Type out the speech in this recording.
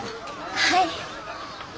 はい。